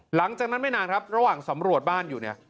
หลังจากนั้นไม่นานครับระหว่างสำรวจบ้านอยู่เนี่ย